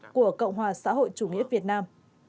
của cộng hòa xã hội chủ nghĩa việt nam